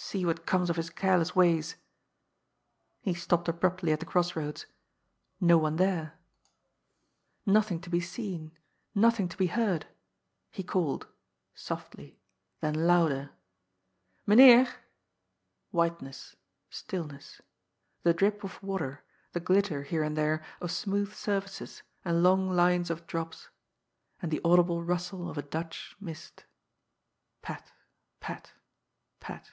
See what comes of his careless ways !" He stopped abruptly at the cross roads. No one there. 10 GOD»S POOL. Nothing to be seen. Nothing to be heard. He called — softly, then louder — "Mynheer!" Whiteness, stillness. The drip of water, the glitter here and there of smooth sur faces, and long lines of drops. And the audible rustle of a Dutch mist. Pat! Pat! Pat!